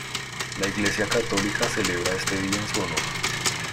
La Iglesia católica celebra este día en su honor.